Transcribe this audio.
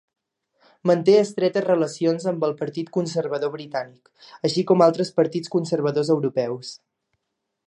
Manté estretes relacions amb el Partit Conservador britànic, així com altres partits conservadors europeus.